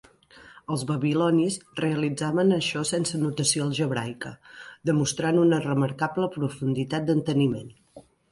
Els babilonis realitzaven això sense notació algebraica, demostrant una remarcable profunditat d'enteniment.